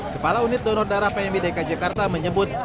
kepala unit donor darah pmi dki jakarta menyebut